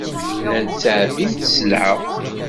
Llant ttɛebbint sselɛa.